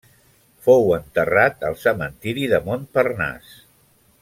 Fou enterrat al Cementiri de Montparnasse.